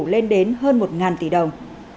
lên đến hơn một tỷ đồng